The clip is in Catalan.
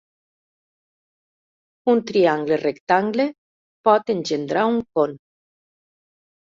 Un triangle rectangle pot engendrar un con.